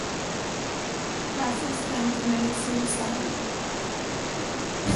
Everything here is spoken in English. Crassus then committed suicide.